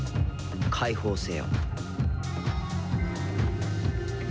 解放せよ。